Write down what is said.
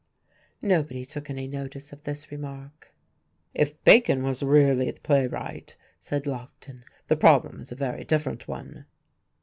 Nobody took any notice of this remark. "If Bacon was really the playwright," said Lockton, "the problem is a very different one."